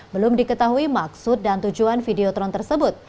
belum diketahui maksud dan tujuan videotron tersebut